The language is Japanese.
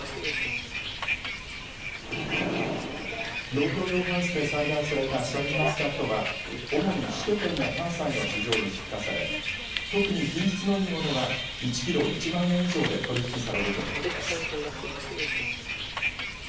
農業用ハウスで栽培されたシャインマスカットは主に首都圏や関西の市場に出荷され特に品質のいいものは１キロ１万円以上で取り引きされるということです。